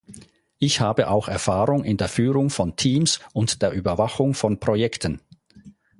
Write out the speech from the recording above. Ich habe auch Erfahrung in der Führung von Teams und der Überwachung von Projekten.